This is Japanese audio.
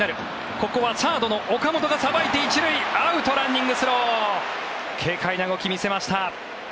ここはサードの岡本がさばいて１塁、アウト、ランニングスロー軽快な動きを見せました。